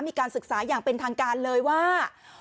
มีการศึกษาอย่างเป็นทางการเลยว่า